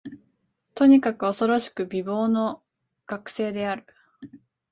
とにかく、おそろしく美貌の学生である